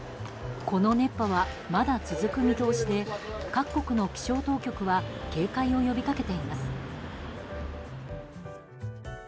この熱波は、まだ続く見通しで各国の気象当局は警戒を呼びかけています。